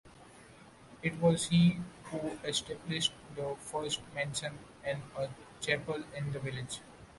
It was he who established the first mansion and a chapel in the village.